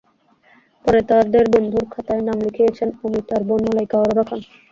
পরে তাঁদের বন্ধুর খাতায় নাম লিখিয়েছেন অমৃতার বোন মালাইকা অররা খান।